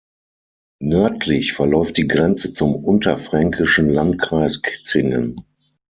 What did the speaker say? Nördlich verläuft die Grenze zum unterfränkischen Landkreis Kitzingen.